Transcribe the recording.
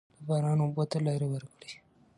د باران اوبو ته لاره ورکړئ.